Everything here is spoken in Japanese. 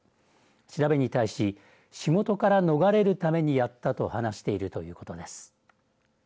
調べに対し、仕事から逃れるためにやったと話しているということです。